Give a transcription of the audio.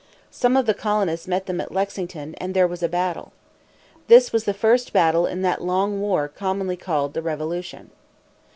Some of the colonists met them at Lexington, and there was a battle. This was the first battle in that long war commonly called the Revolution.